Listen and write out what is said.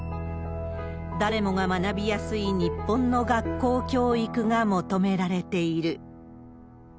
誰もが学びやすい日本の学校教育が求められている。